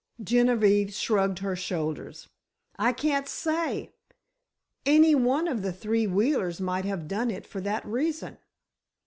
Genevieve shrugged her shoulders. "I can't say. Any one of the three Wheelers might have done it for that reason."